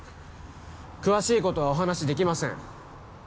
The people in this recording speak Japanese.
詳しいことはお話しできません